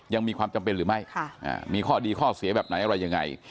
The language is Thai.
ยังมีความจำเป็นหรือไม่มีข้อดีข้อเสียแบบไหนอะไรยังไง